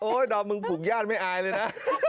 ดอมมึงผูกญาติไม่อายเลยนะ